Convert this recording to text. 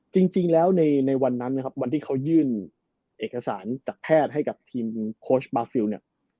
จริงแล้วในวันนั้นนะครับวันที่เขายื่นเอกสารจากแพทย์ให้กับทีมโค้ชบาฟิลเนี่ย